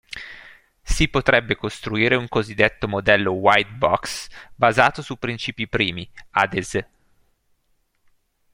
Si potrebbe costruire un cosiddetto modello white-box basato su principi primi, ad es.